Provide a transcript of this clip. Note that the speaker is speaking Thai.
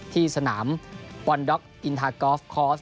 ที่สนามวันด็อกอินทากอล์ฟคอร์ส